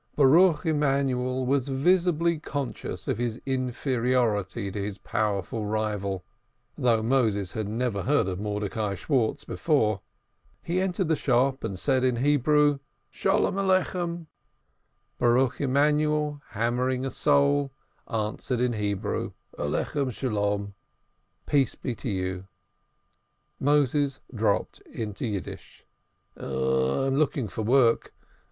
Baruch Emanuel was visibly conscious of his inferiority, to his powerful rival, though Moses had never heard of Mordecai Schwartz before. He entered the shop and said in Hebrew "Peace be to you." Baruch Emanuel, hammering a sole, answered in Hebrew: "Peace be to you." Moses dropped into Yiddish. "I am looking for work.